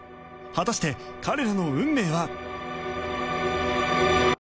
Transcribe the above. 果たして彼らの運命は？